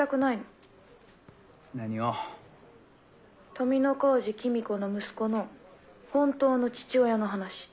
富小路公子の息子の本当の父親の話。